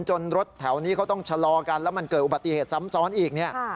รถแถวนี้เขาต้องชะลอกันแล้วมันเกิดอุบัติเหตุซ้ำซ้อนอีกเนี่ย